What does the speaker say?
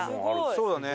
そうだね。